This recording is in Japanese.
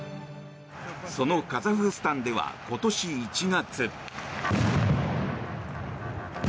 そのカザフスタンでは今年１月。